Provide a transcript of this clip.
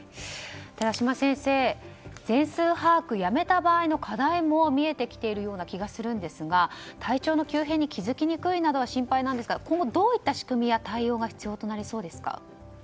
寺嶋先生全数把握をやめた場合の課題も見えてきているような気がするんですが体調の急変に気づきにくいなどは心配ですが今後、どういった仕組みや対応が必要となりそうですか。